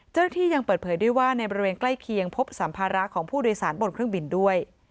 เจ้าหน้าที่ยังเปิดเผยด้วยว่าในบริเวณใกล้เคียงพบสัมภาระของผู้โดยสารบนเครื่องบินด้วย